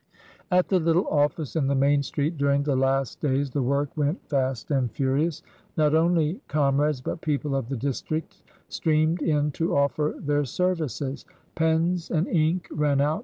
At the little office in the main street during the last days the work went fast and furious. Not only com rades but people of the district streamed in to offer their services; pens and ink ran out.